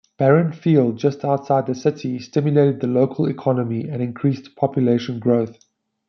Barron Field, just outside the city, stimulated the local economy and increased population growth.